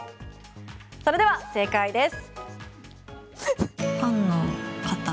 それでは正解です。